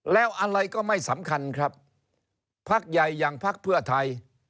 แล้วอะไรก็ไม่สำคัญครับพักใหญ่อย่างพักเพื่อไทย